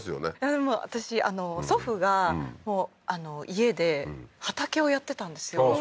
でも私祖父が家で畑をやってたんですよああ